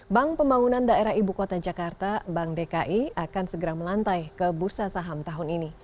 bank pembangunan daerah ibu kota jakarta bank dki akan segera melantai ke bursa saham tahun ini